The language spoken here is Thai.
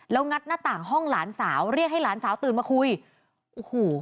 แล้วงัดหน้าต่างห้องหลานสาวเรียกให้หลานสาวตื่นมาคุยโอ้โห